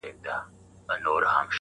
• سړیتوب کي دغه شان د مردانه دی..